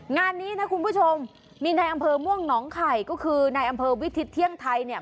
งานนี้นะคุณผู้ชมมีในอำเภอม่วงหนองไข่ก็คือในอำเภอวิทิศเที่ยงไทยเนี่ย